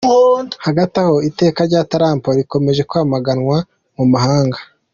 Hagati aho iteka rya Trump rikomeje kwamaganwa mu mahanga.